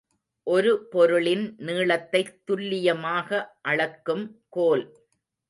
ஒரு பொருளின் நீளத்தைத் துல்லியமாக அளக்கும் கோல்.